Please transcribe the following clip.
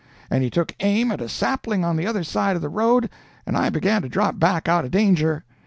"And he took aim at a sapling on the other side of the road, and I began to drop back out of danger.